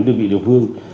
đơn vị địa phương